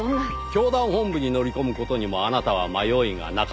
教団本部に乗り込む事にもあなたは迷いがなかった。